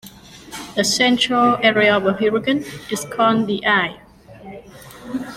The central area of a hurricane is called the eye